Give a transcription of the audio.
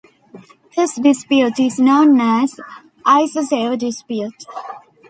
This dispute is known as Icesave dispute.